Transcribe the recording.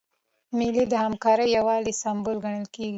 مېلې د همکارۍ او یووالي سمبول ګڼل کېږي.